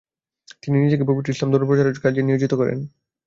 তিনি নিজেকে পবিত্র ইসলাম ধর্ম প্রচারের কাজে নিয়োজিত করেন।